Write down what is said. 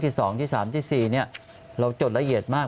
๒ที่๓ที่๔เราจดละเอียดมาก